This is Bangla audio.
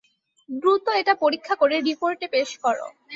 দ্রুত এটা পরীক্ষা করে রিপোর্টে পেশ করো।